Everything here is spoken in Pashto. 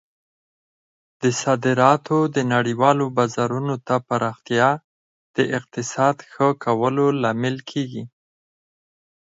د صادراتو د نړیوالو بازارونو ته پراختیا د اقتصاد ښه کولو لامل کیږي.